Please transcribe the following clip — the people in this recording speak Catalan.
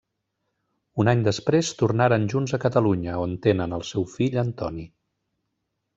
Un any després tornaren junts a Catalunya, on tenen el seu fill Antoni.